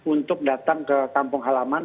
untuk datang ke kampung halaman